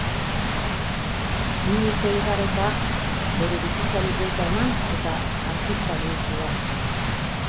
Bi urte igarota, bere bizitzari buelta eman eta artista bihurtu da.